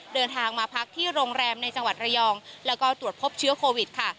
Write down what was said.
เดินทางมาพักที่โรงแรมในจังหวัดระยองแล้วก็ตรวจพบเชื้อโควิดค่ะ